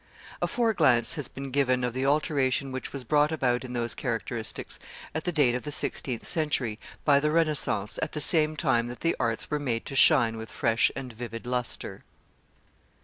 A foreglance has been given of the alteration which was brought about in those characteristics, at the date of the sixteenth century, by the Renaissance, at the same time that the arts were made to shine with fresh and vivid lustre.